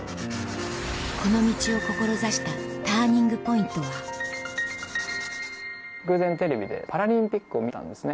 この道を志したＴＵＲＮＩＮＧＰＯＩＮＴは偶然テレビでパラリンピックを観たんですね。